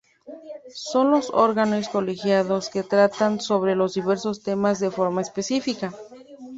Son los órganos colegiados que tratan sobre los diversos temas de forma específica.